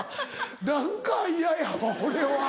何か嫌やわ俺は。